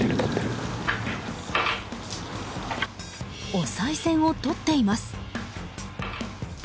おさい銭を、取っています。